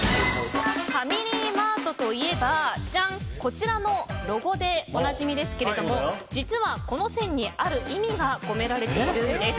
ファミリーマートといえばこちらのロゴでおなじみですが実は、この線にある意味が込められているんです。